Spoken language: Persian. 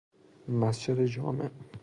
مسجدجامع